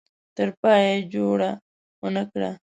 تر پایه یې جوړه ونه کړه.